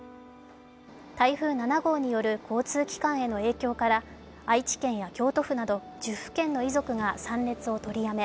台風７号による交通機関への影響から愛知県や京都府など１０府県の遺族が参列をとりやめ